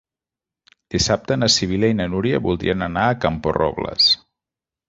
Dissabte na Sibil·la i na Núria voldrien anar a Camporrobles.